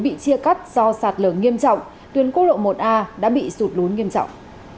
bị chia cắt do sạt lở nghiêm trọng tuyến quốc lộ một a đã bị sụt lún nghiêm trọng